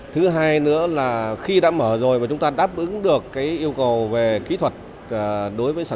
thứ hai nữa là khi đáp ứng được rào cản kỹ thuật đó là kiểm soát tốt dịch bệnh và an toàn thực phẩm